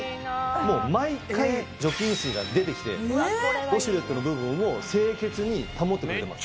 もう毎回除菌水が出てきてウォシュレットの部分を清潔に保ってくれます。